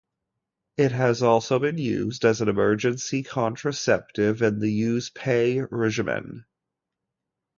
It has also been used as an emergency contraceptive in the Yuzpe regimen.